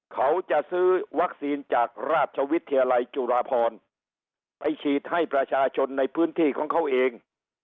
เขาจะซื้อวัคซีนจากราชวิทยาลัยจุฬาพรไปฉีดให้ประชาชนในพื้นที่ของเขาเอง